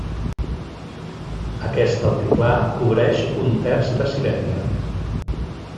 Aquest altiplà cobreix un terç de Sibèria.